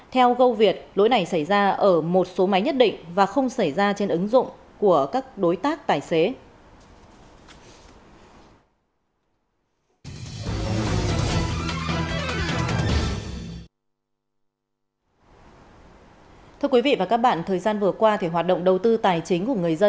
theo gâu việt lỗi này xảy ra ở một số máy nhất định và không xảy ra trên ứng dụng